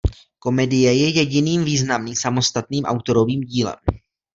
Komedie je jediným významným samostatným autorovým dílem.